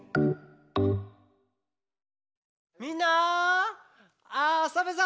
みんなあそぶぞ！